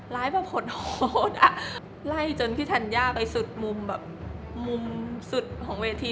รายประผทหัวข็อด่าไล่จนพี่ธัญญาไปสุดมุมแบบหมุมสุดของเวที